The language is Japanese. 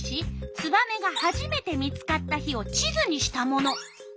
ツバメがはじめて見つかった日を地図にしたもの。